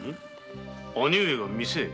兄上が店へ？